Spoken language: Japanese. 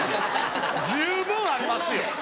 十分ありますよ